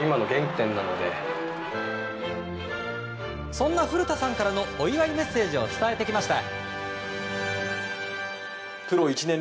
そんな古田さんからのお祝いのメッセージを伝えてきました。